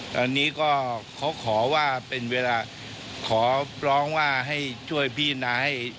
ตอนนี้ก็เขาขอว่าเป็นเวลาขอร้องว่าให้ช่วยพี่นาย